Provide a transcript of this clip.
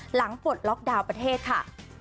ปลดล็อกดาวน์ประเทศค่ะ